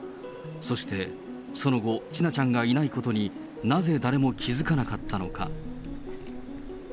そしてその後、千奈ちゃんがいないことに、なぜ誰も気付かなかったのか。